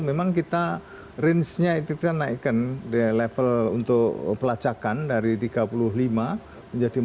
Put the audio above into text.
memang kita rangenya itu kita naikkan level untuk pelacakan dari tiga puluh lima menjadi empat puluh dua